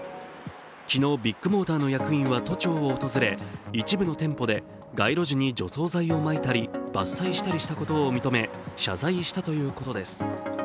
昨日、ビッグモーターの役員は都庁を訪れ、一部の店舗で街路樹に除草剤をまいたり、伐採したりしたことを認め謝罪したということです。